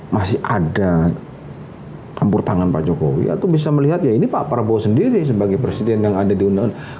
masih ada campur tangan pak jokowi atau bisa melihat ya ini pak prabowo sendiri sebagai presiden yang ada di undang undang